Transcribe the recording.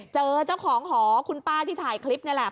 เจอเจ้าของหอคุณป้าที่ถ่ายคลิปนี่แหละ